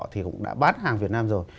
thì cũng đã bán hàng việt nam rồi